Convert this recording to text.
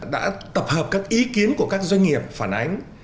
đã tập hợp các ý kiến của các doanh nghiệp phản ánh